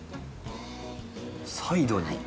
サイドに。